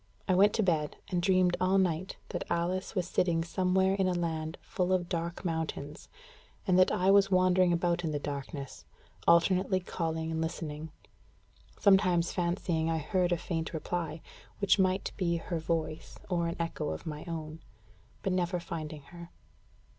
I went to bed, and dreamed all night that Alice was sitting somewhere in a land "full of dark mountains," and that I was wandering about in the darkness, alternately calling and listening; sometimes fancying I heard a faint reply, which might be her voice or an echo of my own; but never finding her.